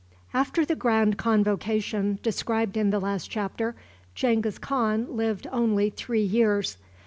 After the grand convocation described in the last chapter, Genghis Khan lived only three years.